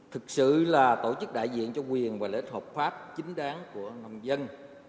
thực sự là tổ chức đại diện cho quyền và lợi ích hợp pháp chính đáng của nông dân